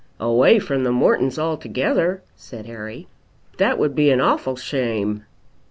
"Away from the Mortons altogether!" said Harry. "That would be an awful shame!"